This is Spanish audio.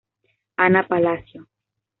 Ana Palacio